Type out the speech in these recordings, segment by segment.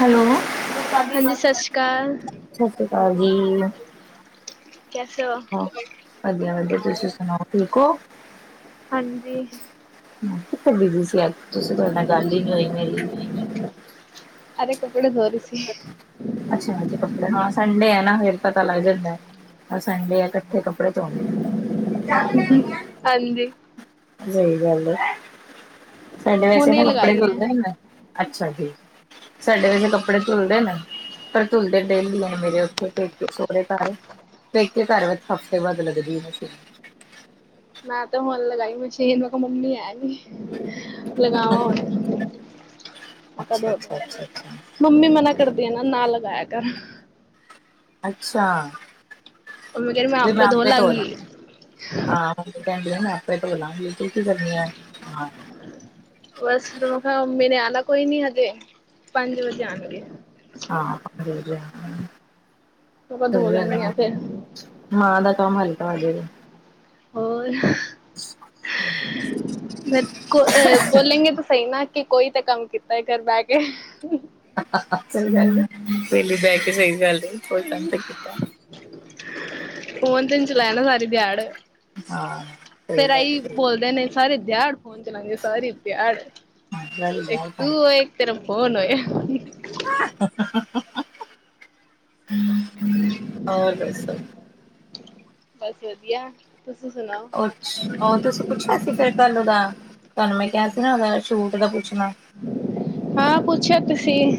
Hello, ਹਾਂਜੀ ਸਤਿ ਸ਼੍ਰੀ ਅਕਾਲ ਸਸ ਰੀ ਕਾਲ ਜੀ। ਕੈਸੇ ਹੋ ਹਾਂ, ਵਧੀਆ ਵਧੀਆ, ਤੁਸੀਂ ਸੁਣਾਓ। ਠੀਕ ਹੋ। ਹਾਂਜੀ। [inaudible] ਤੁਸੀਂ ਤੁਹਾਡੇ ਨਾਲ ਗੱਲ ਹੀ ਨੀ ਹੋਈ ਮੇਰੀ। ਅੱਛਾ ਅੱਛਾ ਕੱਪੜੇ ਹਾਂ [inaudible] ਸੰਡੇ ਆ ਨਾ ਫਿਰ ਪਤਾ ਲੱਗ ਜਾਂਦਾ। ਸੰਡੇ ਆ ਇਕੱਠੇ ਕੱਪੜੇ ਧੋਣੇ ਆ। ਹਾਂਜੀ। ਸਹੀ ਗੱਲ ਏ। ਸਾਡੇ ਵੈਸੇ ਹੁਣੇ ਤਾਂ ਕੱਪੜੇ ਲਗਾਈ ਹੈ ਧੁਲਦੇ ਹੁੰਦੇ, ਅੱਛਾ ਜੀ। ਸੰਡੇ ਨੂੰ ਕੱਪੜੇ ਕੱਪੜੇ ਧੂਲਦੇ ਨੇ ਪਰ ਧੁਲਦੇ ਡੇਲੀ ਮੇਰੇ ਉੱਥੇ ਪੇਕੇ ਸੋਹੁਰੇ ਘਰ। ਪੇਕੇ ਘਰ ਵਿੱਚ ਹਫ਼ਤੇ ਬਾਦ ਲੱਗਦੀ ਮਸ਼ੀਨ। ਮੈਂ ਤੇ ਹੁਨ ਲਗਾਈ ਮਸ਼ੀਨ, ਮੈ ਕਿਹਾ ਮਮੀ ਹੈ ਨੀ। ਲਗਾਵਾਂ ਹੁਨ ਅੱਛਾ ਅੱਛਾ ਅੱਛਾ ਅੱਛਾ [unintelligible] ਮੰਮੀ ਮਨਾ ਕਰਦੀ ਆ ਨਾ ਨਾਲ ਇਹ ਕਰ ਅੱਛਾ। ਉਹਨੂੰ ਮੈਂ ਕਿਹਾ, ਮੈਂ ਵੀ ਆਪ ਧੋ ਆਪੇ ਲਾ ਲਾਂਗੀ। ਹਾਂ ਮੰਮੀ ਕਹਿੰਦੀ ਮੈਂ ਆਪੇ ਧੋ ਲਾਂਗੀ ਫਿਰਕੀ ਕਰਨੀ ਆ ਹਾਂ। ਬਸ ਫੇਰ ਮੈਂ ਕਿਹਾ ਮੰਮੀ ਨੇ ਆਣਾ ਕੋਈ ਨੀ, ਹਜੇ ਪੰਜ ਵਜੇ ਆਣਗੇ। ਹਾਂ। ਮੈਂ ਕਿਹਾ ਧੋ ਸਹੀ ਗਲ ਏ, ਲੈਂਦੀ ਆ ਫਿਰ ਮਾਂ ਦਾ। ਕੰਮ ਹਲਕਾ ਹੋਜੇਗਾ। ਹੋਰ। ਬੋਲਗੇ ਤਾਂ ਸਹੀ ਨਾ। ਕਿ ਕੋਈ ਤਾਂ ਕੰਮ ਕੀਤਾ ਹੈ। ਘਰ ਬਹਿ ਕੇ [unintelligible] ਸਹੀ ਗੱਲ ਪੇਲਹ ਬਹਿ ਕੇ ਸਹੀ ਗੱਲ [unintelligible] ਕੀਤਾ ਫੋਨ ਤੈਨ ਚਲਾੈ ਨਾ ਸਾਰੀ ਦਿਹਾੜ ਹਾਂ ਸਹੀ ਗੱਲ ਹੈ। ਸਹੀ ਸਾਰੀ ਦਿਆੜ ਹੁਣ ਚਲਾ ਗੇ ਸਾਰੀ ਇਥਿਆੜ ਸਹੀ ਗੱਲ ਇੱਕ ਬਾਹਰ ਤੂ ਪਹੁੰਚ ਇੱਕ ਤੇਰਾ ਹੁਣੇ [unintelligible] ਹੋਰ ਦੱਸੋ ਬਸ ਵਧੀਆ ਤੁਸੀਂ ਸੁਣਾਓ? ਅਛ ਉਹ ਤੁਸੀਂ ਪੁੱਛਿਆ ਸੀ ਫਿਰ ਕੱਲ ਉਹਦਾ ਤੁਹਾਨੂੰ ਮੈਂ ਕਿਹਾ ਸੀ ਨਾ ਉਹਦਾ ਛੂਟ ਦਾ ਪੁੱਛਣਾ ਕੀ [unintelligible]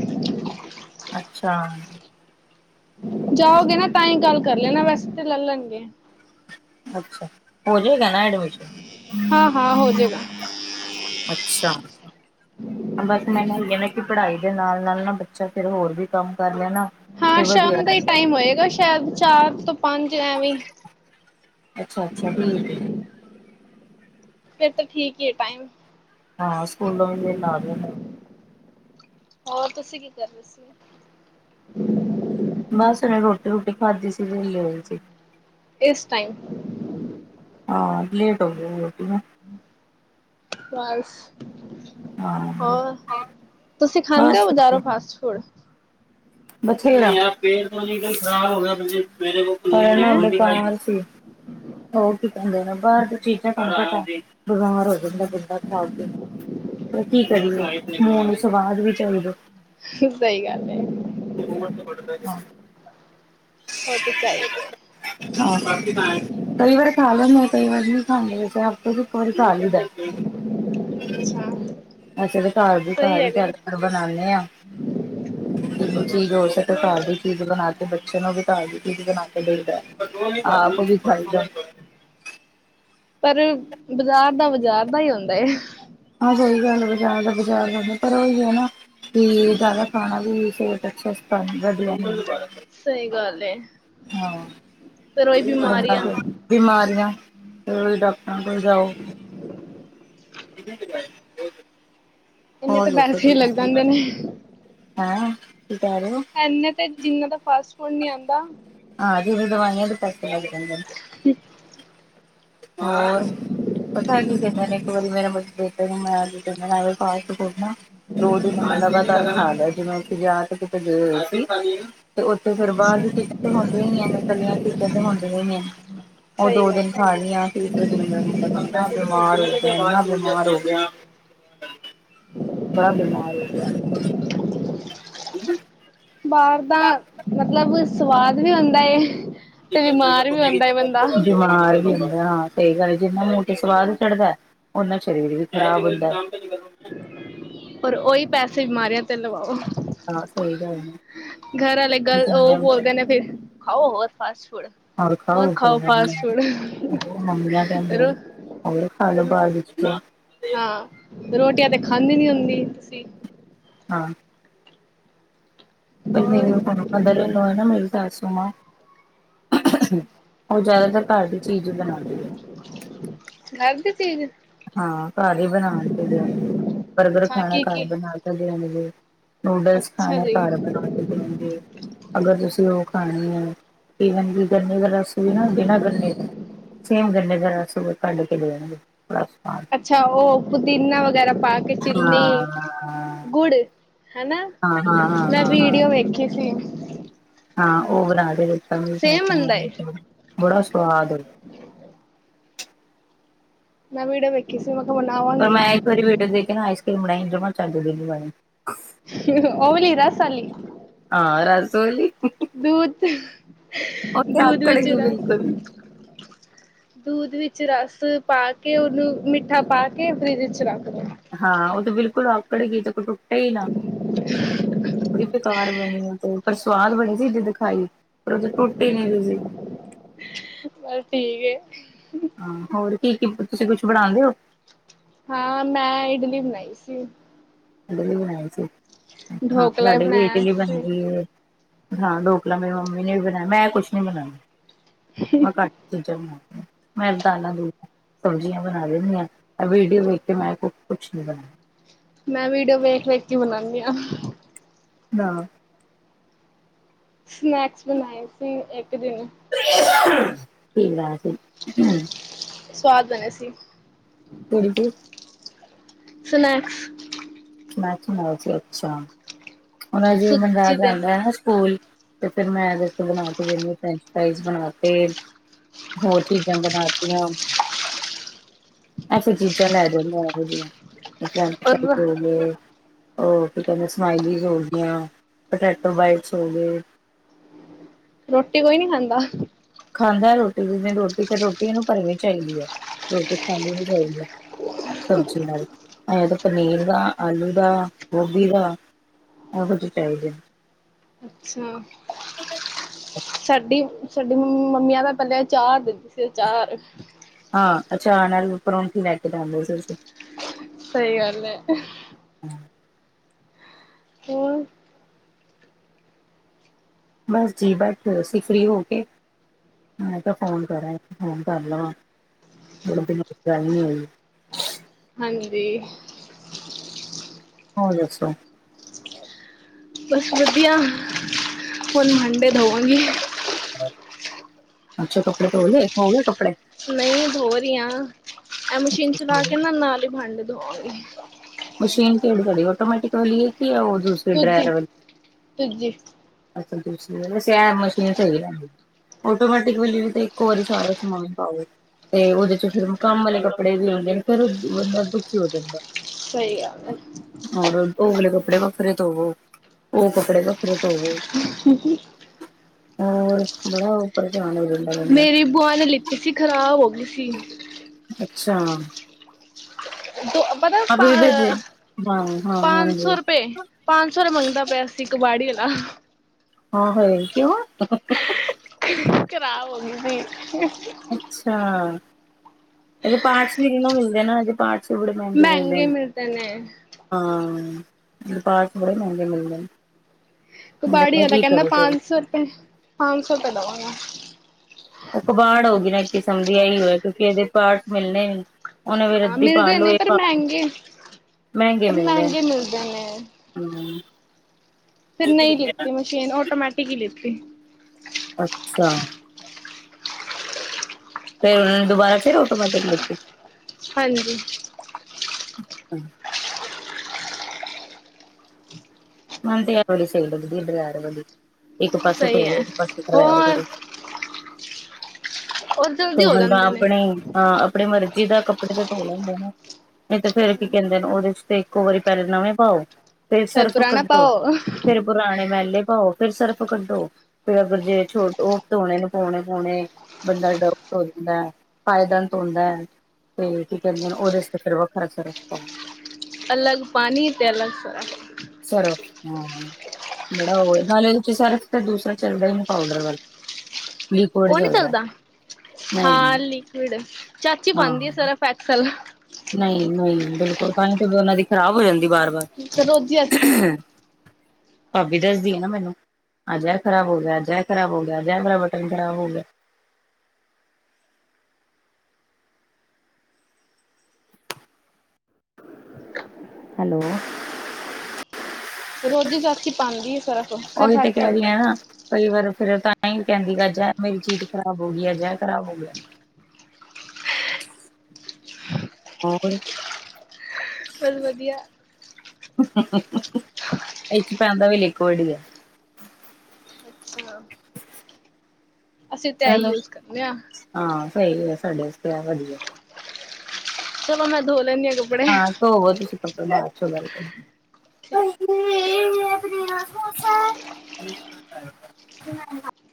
ਅੱਛਾ ਜਾਓਗੇ ਨਾ ਤਾਂ ਹੀ ਗੱਲ ਕਰ ਲੈਣਾ ਵੈਸਤ ਲੈ ਲੈਣਗੇ ਅੱਛਾ ਹੋ ਜਾਏਗਾ। ਹਾਂ-ਹਾਂ ਹੋ ਜਾਏਗਾ। ਅੱਛਾ, ਬਸ ਮੈ ਪੜ੍ਹਾਈ ਦੇ ਨਾਲ- ਨਾਲ ਨਾ ਬੱਚਾ ਫਿਰ ਹੋਰ ਵੀ ਕੰਮ ਕਰ ਲੇ ਨਾ ਤੇ ਹਾਂ ਵਧੀਆ ਸ਼ਾਮ ਦਾ ਹੀ ਰਹਿੰਦਾ ਟਾਈਮ ਹੋਏਗਾ ਸ਼ਾਇਦ ਚਾਰ ਤੋਂ ਪੰਜ ਐਵੀ ਅੱਛਾ- ਅੱਛਾ ਠੀਕ ਏ ਫਿਰ ਤਾਂ ਠੀਕ ਹੀ ਹੈ, ਟਾਈਮ ਹਾਂ ਸਕੂਲ ਵੀ ਨਾਲ ਏ ਹੋਰ ਤੁਸੀਂ ਕੀ ਕਰ ਰਹੇ ਸੀ। ਬਸ ਉਹਨੇ ਰੋਟੀ ਰੁਟੀ ਖਾਧੀ ਸੀ ਵਿਹਲੇ ਹੋਈ ਸੀ। ਇਸ ਟਾਈਮ ਹਾਂ ਲੇਟ ਹੋ ਗਈ ਰੋਟੀ ਨੂੰ, ਬਸ, ਹਾਂ ਹੋਰ, ਤੁਸੀਂ ਖਾਂਦੇ ਹੋ ਬਜ਼ਾਰੋ ਫਾਸਟ ਫੂਡ [unintelligible] [unintelligible] ਜੀ, ਹੈਂ? ਬਿਮਾਰ ਹੋ ਜਾਂਦਾ ਬੰਦਾ ਖਾ ਕੇ ਫਿਰ ਕੀ ਸਹੀ ਗੱਲ ਕਰੀਏ ਹੈ, ਮੂੰਹ ਨੂੰ ਸਵਾਦ ਵੀ ਚਾਹੀਦਾ ਸਹੀ ਗੱਲ ਹੈ [unintelligible] [unintelligible] ਉਹ ਤਾਂ ਚਾਹੀਦਾ ਹੈ। ਕਈ ਵਾਰੀ ਵੀ ਖਾਂਦੇ ਹਾਂ ਅਸੀਂ ਹਫਤੇ 'ਚ ਇੱਕ ਵਾਰੀ। ਚਾਹੀਦਾ ਹੈ। ਅੱਛਾ ਅਸੀਂ ਤਾਂ ਘਰ ਦੀ ਸਹੀ ਘਰ ਹੀ ਹੈਗਾ ਕਸਟੜ ਬਣਾਉਦੇ ਹਾਂ। ਜਦੋਂ ਚੀਜ਼ ਹੋ ਸਕੇ ਘਰ ਦੀ ਚੀਜ਼ ਬਣਾ ਕੇ ਬੱਚਿਆਂ ਨੂੰ ਵੀ ਘਰ ਦੀ ਚੀਜ਼ ਬਣਾ ਕੇ ਦਈ ਦਾ ਆਪ ਵੀ ਖਾਈ ਦਾ। ਪਰ ਬਜ਼ਾਰ ਦਾ ਬਜ਼ਾਰ ਦਾ ਹੀ ਹੁੰਦਾ ਹੈ। ਹਾਂ ਸਹੀ ਗੱਲ ਬਜ਼ਾਰ ਦਾ ਬਜ਼ਾਰ ਵਰਗਾ ਪਰ ਉਹੀ ਹੈ ਨਾ ਕਿ ਜ਼ਿਆਦਾ ਖਾਣਾ ਵੀ ਸਿਹਤ ਵਾਸਤੇ ਅੱਛਾ ਨਹੀਂ ਵੀ ਐਨਾ। ਸਹੀ ਗੱਲ ਏ ਹਾਂ, ਫਿਰ ਉਹੀ ਬਿਮਾਰੀਆਂ। ਬਿਮਾਰੀਆਂ ਫੇਰ ਡਾਕਟਰਾਂ ਕੋਲ ਜਾਓ। ਇੰਨੇ ਹੋਰ ਤਾਂ ਵੈਸੇ ਹੀ ਲੱਗ ਨੇ। ਹੈ। ਇੰਨੇ ਤੇ ਜਿੰਨਾ ਦਾ ਫਸ, ਹੁਣ ਨੀ ਆਉਂਦਾ। ਆਹ ਜਿਹੜੇ ਦਵਾਈਆਂ ਦੇ ਪੈਕਟ [unintelligible] ਹੋਰ, ਪਤਾ ਕਿ ਕਹਿੰਦੇ ਨੇ ਇੱਕ ਵਾਰੀ ਮੇਰਾ ਬੇਟੇ ਨੂੰ ਮੈਂ ਬੇਟੇ ਨੂੰ ਫੜਾ ਆਈ ਸੀ ਰਿਪੋਰਟਾਂ, ਦੋ ਦਿਨ ਹਾਏ ਲਗਾਤਾ ਖਾ ਲਿਆ ਸੀ ਮੈਂ ਉੱਥੇ ਜੇ ਕਿਤੇ ਗਏ ਹੋਏ ਸੀ। ਤੇ ਉੱਥੇ ਫੇਰ ਅੱਛਾ ਬਾਅਦ 'ਚ। ਤੇ ਹੁੰਦੀਆਂ ਹੀ ਐਵੇਂ ਇਕੱਲੀਆਂ ਚੀਜ਼ਾਂ ਤੇ ਹੁੰਦੀਆਂ ਹੀ ਨੇ ਹੈ। ਉਹ ਸਹੀ ਦੋ ਗੱਲ ਦਿਨ ਹੈ। ਖਾ ਲਈਆਂ ਫੇਰ ਇੱਕ ਤੋਂ ਪੰਦਰਾਂ ਦਿਨ ਮੈਂ ਬਿਮਾਰ ਹੋ ਗਈ? ਦੁਆਰਾ ਮੁਰਜਦ ਹੋ ਗਿਆ। ਬੜਾ ਬਿਮਾਰ ਹੋ ਗਿਆ? ਹੂੰ। ਬਾਹਰ ਦਾ ਮਤਲਬ। ਸਵਾਦ ਵੀ ਹੁੰਦਾ ਹੈ? ਬਿਮਾਰ ਵੀ ਹੁੰਦਾ ਹਾਂ ਸਹੀ ਗੱਲ ਜਿੰਨਾ। ਤੇ ਸਵਾਦ ਚੜਦਾ ਉਹਨਾ ਸਰੀਰ ਵੀ ਖ਼ਰਾਬ ਹੁੰਦਾ ਹੈ। ਪਰ ਉਹੀ ਪੈਸੇ ਬਿਮਾਰੀਆਂ ਤੇ ਲਵਾਓ? ਹਾਂ ਸਹੀ ਗੱਲ ਹੈ ਘਰ ਵਾਲੇ ਕੀ ਗੱਲ ਉਹ ਕਹਿੰਦੇ ਬੋਲਦੇ ਨੇ ਫੇਰ? ਖਾਉ ਹੋਰ ਫਾਸਟ? ਫੂਡ। ਹੋਰ ਖਾਓ ਕਹਿੰਦੇ ਆ ਰੋ ਹੋਰ ਖਾ ਲੋ ਬਾਅਦ ਵਿੱਚ ਫੂਡ। ਹਾਂ। ਰੋਟੀਆਂ ਤੇ ਖਾਂਦੀ ਨੀ ਹੁੰਦੀ ਤੁਸੀਂ? ਹਾਂ। ਪਹਿਲੇ ਹੋਰ ਵੀ ਉਹ ਘੱਟ ਖਾਂਦੇ ਰਹੇ ਹੈ ਉਹ ਨਾ ਮੇਰੀ ਸੱਸ। ਸਮਾਂ। ਅੱਛਾ ਉਹ ਜ਼ਿਆਦਾਤਰ ਘਰ ਦੀ ਚੀਜ਼ ਹੀ ਬਣਾਉਂਦੀ ਹੈ ਠੀਕ ਹੈ ਹਾਂ ਘਰ ਹੀ ਬਣਾ ਕੇ ਦੇਣਗੇ ਬਰਗਰ ਅੱਛਾ ਖਾਣਾ ਕੀ ਘਰ ਕੀ ਬਣਾ ਕੇ ਦੇਣਗੇ ਨੂਡਲਸ ਅੱਛਾ ਖਾਣੇ ਜੀ ਘਰ ਬਣਾ ਕੇ ਦੇਣਗੇ ਅਗਰ ਤੁਸੀਂ ਲੋਕ ਪਾਣੀ ਹੈ ਈਵਨ ਕਿ ਗੰਨੇ ਦਾ ਰਸ ਵੀ ਨਾ ਬਿਨਾਂ ਗੰਨੇ ਤੋਂ ਸੇਮ ਗੰਨੇ ਦਾ ਰਸ ਕੱਢ ਕੇ ਦੇਣਗੇ ਸਵਾਦ ਅੱਛਾ ਉਹ ਪੁਦੀਨਾ ਵਗੈਰਾ ਪਾਕੇ ਹਾਂ, ਚਿੰਨੀ ਗੁੜ ਹੈਨਾ ਹਾਂ, ਹਾਂ, ਹਾਂ, ਮੈਂ ਹਾਂ, ਹਾਂ। ਵੀਡੀਓ ਵੇਖੀ ਸੀ ਹਾਂ ਉਹ ਬਣਾ ਦੇ ਵਿੱਚ ਚੰਗੇ ਸੇਮ ਪੈਸੇ ਬਣਦਾ ਵਾਲਿਆਂ ਏ ਸੋਚ ਬੜਾ ਸ ਸਵਾਦ ਮੈਂ ਵੀਡੀਓ ਵੇਖੀਂ ਸੀ ਮੈਂ ਕਿਹਾ ਪਰ ਬਣਾਵਾਂਗੀ ਮੈਂ ਇੱਕ ਵਾਰੀ ਵੀੇਡੀਓ ਦੇਖ ਨਾ ਆਈਸ ਕ੍ਰੀਮ ਬਣਾਾਈ ਜਮਾਂ ਚਜ ਦੀ ਨੀ ਬਣੀ ਹੰ ਹੰ ਓਵਾਲੀ ਰਸ ਆਲੀ ਤੋਲੀ ਦੂਧ ਹੰ ਤੇ ਦੂਧ ਆਕੜ ਵਿੱਚ ਗਈ ਰਸ ਬਿਲਕੁਲ। ਦੂਧ ਵਿੱਚ ਵਿੱਚ ਰਸ ਪਾ ਕੇ ਉਹਨੂੰ ਮਿੱਠਾ ਪਾ ਕੇ ਫਰਿਜ ਵਿੱਚ ਰੱਖ ਦੋ ਹਾਂ ਉਹ ਤੇ ਬਿਲਕੁਲ ਆਕੜ ਗਈ ਤੇ ਟੁਟ ਟੁਟੇ ਹੀ ਨਾ ਬੜੀ ਬੇਕਾਰ ਬਣੀ ਆ ਪਰ ਸਵਾਦ ਬੜੀ ਸੀ ਜਿਦ ਦਿਖਾਈ ਪਰ ਉਹ ਟੁੱਟ ਨਹੀਂ ਰਹੀ ਸੀ ਬਸ ਠੀਕ ਏ ਹਾਂ ਹੋਰ ਕੀ ਕੀ ਤੁਸੀਂ ਕੁਛ ਬਣਾਉਦੇ ਹੋ ਹਾਂ ਮੈਂ ਇਡਲੀ ਬਣਾਈ ਸੀ ਇਡਲੀ ਬਣਾਈ ਸੀ ਹਾਂ ਢੋਕਲਾ ਹੀ ਸਾਡੇ ਵੀ ਬਣਾਇਆ ਇਡਲੀ ਸੀ। ਬਣਦੀਂ ਏ ਹਾਂ ਢੋਕਲਾ ਮੇਰੀ ਮੰਮੀ ਨੇ ਵੀ ਬਣਾਇਆ ਮੈਂ ਕੁਛ ਨੀ ਬਣਾਯਾ ਮੈਂ ਘਟ ਚੀਜ਼ਾਂ ਬ ਮੈਂ ਦਾਲਾਂ ਦੁ ਸਬਜ਼ੀਆਂ ਬਣਾ ਦਿੰਦੀ ਆ ਐ ਵੀਡੀਓ ਵੇਖ ਮੈਂ ਕੁਛ ਨੀ ਬਣਾਦੀ ਮੈਂ ਵੀਡੀਓ ਵੇਖ ਵੇਖ ਕੇ ਬਣਾਨੀ ਹਾਂ ਹਾਂ ਸਨੈਕਸ ਬਣਾਏ ਸੀ ਇੱਕ ਦਿਨ [unintelligible] ਹਮ ਸਵਾਦ ਬਣੇ ਸੀ [unintelligible] ਸਨੈਕਸ ਮੈਕਸ ਮੋਲ ਸੀ ਅੱਛਾ ਉਹ ਜੀ ਮੁੰਡਾ ਸੂਜੀ ਦੇ ਜਾਂਦਾ ਹੈ ਨਾ ਸਕੂਲ ਤੇ ਫਿਰ ਮੈਂ ਬਣਾ ਕੇ ਜਿਹੜੀ ਏ ਫਰੈਂਚ ਫਰਾਈਜ਼ ਬਣਾ ਤੇ ਹੋਰ ਚੀਜ਼ਾਂ ਬਣਾਤੀਆਂ ਐਸੇ ਚੀਜ਼ਾਂ ਲੈ ਜਦੇ ਇਹੋ ਜਿਹੀਆਂ ਔਰ [inaudible] ਉਹ ਕੀ ਕਹਿੰਦੇ ਸਮਾਇਲੀਜ ਹੋ ਗਈਆਂ ਪਟੈਟੋ ਬਾਈਟਸ ਹੋ ਗਏ ਰੋਟੀ ਕੋਈ ਨੀ ਖਾਂਦਾ ਖਾਂਦਾ ਰੋਟੀ ਜਿਵੇਂ ਰੋਟੀ ਤੇ ਰੋਟੀ ਇਹਨੂੰ ਭਰਵੀ ਚਾਹੀਦੀ ਹੈ ਰੋਟੀ ਖਾਲੀ ਨੀ ਚਾਹੀਦੀ ਸਬਜ਼ੀ ਨਾਲ ਐ ਤਾਂ ਪਨੀਰ ਦਾ ਆਲੂ ਦਾ ਗੋਭੀ ਦਾ ਇਹ ਕੁਝ ਚਾਹੀਦੇ ਅੱਛਾ [unintelligible] ਸਾਡੀ ਸਾਡੀ ਮੰਮੀਆਂ ਦਾ ਪਹਿਲੇ ਅਚਾਰ ਦੇਦੀ ਸੀ ਅਚਾਰ ਹਾਂ ਅਚਾਰ ਨਾਲ‌ ਪਰੋਠੀ ਲੈ ਕੇ ਜਾਂਦੇ ਸੀ ਅਸੀਂ ਸਹੀ ਗੱਲ ਏ ਹੋਰ ਬਸ ਜੀ ਬੈਠੇ ਅਸੀਂ ਫਰੀ ਹੋ ਕੇ ਮੈਂ ਕਿਹਾ ਫੋਨ ਕਰਾਂ ਇਕ ਫੋਨ ਕਰ ਲਵਾ ਬੜੇ ਦਿਨ ਹੋਗੇ ਗੱਲ ਨੀ ਹੋਈ ਹਾਂਜੀ ਹੋਰ ਦੱਸੋ ਬਸ ਵਧੀਆ ਹੁਣ ਮੰਡੇ ਧੋਵਾਂਗੀ ਅੱਛਾ ਕੱਪੜੇ ਧੋਂਲੇ ਹੋਗੇ ਕੱਪੜੇ ਨਹੀਂ ਧੋ ਰਹੀਆਂ ਇਹ ਮਸ਼ੀਨ ਚਲਾ ਕੇ ਨਾ ਨਾਲ ਹੀ ਵੰਡ ਵਾਗੀ ਮਸ਼ੀਨ ਕਿਹੜੀ ਤੁਹਾਡੀ ਅਟੋਮੈਟਿਕ ਵਾਲੀ ਏ ਕਿ ਉਹ ਦੂਸਰੀ ਦੂਜੀ ਡਰੇਰ ਵਾਲੀ ਦੂਜੀ ਅੱਛਾ ਦੂਸਰੀ ਵਾਲੀ ਵੈਸੇ ਇਹ ਮਸ਼ੀਨ ਧੋਈ ਜਾਂਦੀ ਆਟੋਮੈਟਿਕ ਵਾਲੀ ਵੀ ਇੱਕੋ ਵਾਰੀ ਸਾਰਾ ਸਮਾਨ ਪਾਓ ਤੇ ਉਹਦੇ ਚ ਫੇਰ ਕੰਮ ਵਾਲੇ ਕੱਪੜੇ ਵੀ ਹੁੰਦੇ ਨੇ ਫਿਰ ਬੰਦਾ ਦੁਖੀ ਹੋ ਜਾਂਦਾ ਸਹੀ ਏ ਔਰ ਉਹ ਵਾਲੇ ਕੱਪੜੇ ਵੱਖਰੇ ਧੋਵੋ ਉਹ ਕੱਪੜੇ ਵੱਖਰੇ ਧੋਵੋ [inaudible] ਹੋਰ ਬੜਾ ਪ੍ਰੇਸ਼ਾਨ ਹੋ ਜਾਂਦਾ ਬੰਦਾ ਮੇਰੀ ਬੂਆ ਨੇ ਲਿੱਤੀ ਸੀ ਖ਼ਰਾਬ ਹੋ ਗਈ [unintelligible] ਅੱਛਾ ਦੋ ਪਤਾ ਆਪ ਵੀ ਭੇਜੇ ਪ ਹਾਂ ਹਾਂ ਪੰਜ ਹਾਂਜੀ ਸੌ ਰੁਪਏ ਪੰਜ ਸੌ ਰੁਪਏ ਮੰਗਦਾ ਪਿਆ ਸੀ ਕਬਾੜੀ ਆਲ [inaudible] ਹਾਂ ਹਾਏ ਕਿਉਂ ਖਰਾਬ ਹੋ ਗਈ ਸੀ ਅੱਛਾ ਇਹਦੇ ਪਾਟਸ ਵੀ ਨਹੀਂ ਮਿਲਦੇ ਇਹ ਦੇ ਪਾਟ ਚੜ ਮੈਂਗ ਵਦੇ ਮਹਿੰਗੇ ਮਿਲਦੇ ਨੇ ਹਾਂ ਪਾਕ ਬੜ ਮੰ ਮਿਲਦਾ ਤਬੜੀ ਆਦਾ ਕਹਿੰਦਾ ਪੰਜ ਸੌ ਰੁਪਏ ਪੰਜ ਸੌ ਰੁਪਏ ਲਵਾਂਗਾ ਉਹ ਕਬਾੜ ਹੋਗੀ ਨਾ ਕਿਸਮ ਦੀ ਆਹੀ ਹੋਆ ਕਿਉਂਕਿ ਇਹਦੇ ਪਾਠ ਮਿਲਣੇ ਵੀ ਉਹਨੇ ਹਾਂ ਰੱਦੀ ਪਾ ਮਿਲਦੇ ਲੋ ਨੇ ਇਹ ਪਰ ਪਾ ਲੋ ਮਹਿੰਗੇ ਪਰ ਮਿਲਦੇ ਨੇ ਮਹਿੰਗੇ ਮਿਲਦੇ ਨੇ ਹੂੰ। ਫਿਰ ਨਹੀਂ ਲਿੱਤੀ ਮਸ਼ੀਨ ਆਟੋਮੈਟਿਕ ਹੀ ਲਿੱਤੀ [inaudible] ਅੱਛਾ ਫਿਰ ਉਹਨਾਂ ਨੇ ਦੁਬਾਰਾ ਫਿਰ ਆਟੋਮੈਟਿਕ ਲਤੀ ਹਾਂਜੀ ਅੱਛਾ ਮ ਤੇ ਯਾਰ ਬੜੀ ਸਹੀਲ ਦੀਡ ਯਾਰ ਬੜਲੀ ਇੱਕ ਪਾਸੇ ਧ ਸਹੀ ਹੈ ਇੱਕ ਪਾਸੇ ਦਾਰੀ ਹੋਰ ਕਰੋ ਔਰ ਸ ਜਲਦੀ ਹੋ ਬੰਦਾ ਜਾਂਦੇ ਨੇ ਆਪਣੇ ਹਾਂ ਆਪਣੇ ਮਰਜ਼ੀ ਜਿਹਦਾ ਕੱਪੜੇ ਤੇ ਧੋ ਲੈਂਦੇ ਨੇ ਇਹ ਤੇ ਫੇਰ ਕੀ ਕਹਿੰਦੇ ਉਹਦੇ ਚ ਤੇ ਇੱਕੋ ਵਾਰੀ ਪਹਿ ਨਵੇਂ ਪਾਓ ਤੇ ਫਿਰ ਸਿਰਫ ਪੁਰਾਣਾ ਕੱਢੋ ਪਾਓ ਫੇਰ ਪੁਰਾਣੇ ਮੈਲੇ ਲੇ ਪਾਓ ਫੇਰ ਸਿਰਫ ਕੱਢੋ। ਫਰ ਅਗਰ ਜੇ ਛੋਟ ਉਹ ਧੋਣੇ ਨੂੰ ਪਾੋਉਣੇ ਪਾਉਣੇ ਬੰਦਾ ਡ ਧਦਾ ਫਾਇਦ ਧੋਦਾ ਹੈ ਤੇ ਕੀ ਕਹਿੰਦੇ ਉਹਦੇ ਚ ਤੇ ਫਿਰ ਖਰਚ ਰੱਖ ਪਾ ਅਲੱਗ ਪਣੀ ਤੇ ਅਲੱਗ ਸ ਸਰਫ ਹਾਂ ਬੜਾ ਉਹ ਨਾਲਦੇ ਚ ਸਰਫ ਤੇ ਦੂਸਰਾ ਚੱਲਦਾ ਹੀਨੂੰ ਪਾਊਡਰ ਵੱਲ ਉਹ ਨਹੀਂ ਚੱਲਦਾ। ਨਹੀਂ ਹਾਂ ਲਿਕਡ ਚਾਚੀ ਪਾਉਦੀ ਆ। ਸਫ ਐਕਸ ਨਹੀਂ-ਨਹੀਂ ਬਿਲਕੁਲ ਤਾਂਣੀ ਤੇ ਉਹਨਾ ਦੀ ਖਰਾਬ ਹੋ ਜਾਂਦੀ ਬਾਰ ਬਾਰ ਰੋਜ਼ੀ ਅਤੀ ਭਾਬੀ ਦੱਸਦੀ ਹੈ ਨਾ ਮੈਨੂੰ ਅਜਿ ਖ਼ਰਾਬ ਹੋ ਗਿਆ ਅਜਿ ਇਹ ਖ਼ਰਾਬ ਹੋ ਗਿਆ ਅਜਿ ਮੇਰਾ ਬਟਨ ਖ਼ਰਾਬ ਹੋ ਗਿਆ ਹੈਲੋ ਰੋਜ਼ੀ ਰਾਸੀ ਪੰਜਜੀ ਸਰ ਉਹੀ ਤੇ ਕਹਿ ਰ ਆ ਨਾ ਕਈ ਵਾਰ ਫਿਰ ਤਾਂ ਹੀ ਕਹਿੰਦੀ ਗਜੈ ਮੇਰੀ ਚੀਜ਼ ਖਰਾਬ ਹੋ ਗਈ ਆਜੈ ਖਰਾਬ ਹੋ ਗਿਆ ਹੋਰ ਬਤ ਵਧੀਆ [inaudible] ਇ ਚ ਪੈਂਦਾ ਵੀ ਲਖ ਕੋਏਡੀਆਂ। ਹਿਲੋ। ਅਸੀਂ ਤੇ ਐ ਈ ਚਲੋ ਯੂਸ ਕਰਨੇ ਆਂ। ਹਾਂ ਸਹੀ ਹੈ ਸਾਡੇ ਅਸਤੇ, ਆ ਵਧੀਐ। ਚਲੋ ਮੈਂ ਧੋ ਲੈਂਣੁ ਆਂ। ਹਾਂ ਧੋਵੋ ਤੁਸੀਂ ਕਪੜੇ ਆ ਸੁਣਾਈ ਦੇ ਠੀਕ। ਰਿਹਾ [unintelligible]